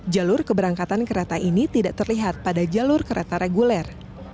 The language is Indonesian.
jalur keberangkatan kereta ini tidak terlihat pada jalur kereta reguler